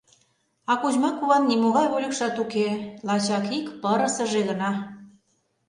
А Кузьма куван нимогай вольыкшат уке, лачак ик пырысыже гына.